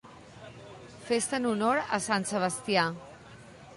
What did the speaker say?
Festa en honor a sant Sebastià.